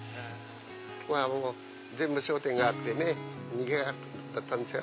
ここもう全部商店街あってねにぎやかだったんですよ。